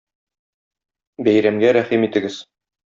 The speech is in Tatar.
Бәйрәмгә рәхим итегез!